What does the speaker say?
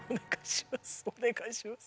お願いします